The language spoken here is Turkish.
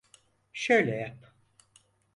Şöyle yap.